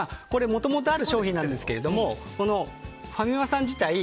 もともとある商品なんですけどファミマさん自体